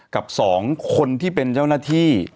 กับ๒คนที่เป็นเจ้าหน้าที่